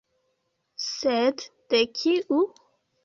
Sed de kiu?